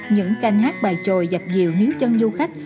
những canh hát bài tròi dập dìu níu chân du khách